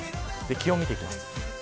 気温を見ていきます。